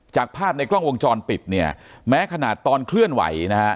จากภาพในกล้องวงจรปิดเนี่ยแม้ขนาดตอนเคลื่อนไหวนะฮะ